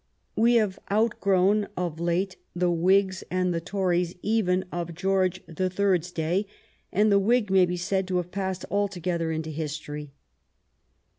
We have outgrown of late the Whigs and the Tories even of George the Third's day, and the Whig may be said to have passed altogether into history.